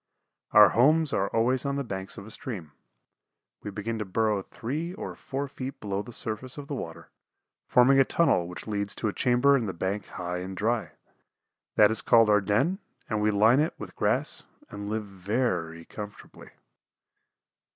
Our homes are always on the banks of a stream. We begin to burrow three or four feet below the surface of the water, forming a tunnel which leads to a chamber in the bank high and dry. That is called our den and we line it with grass and live very comfortably.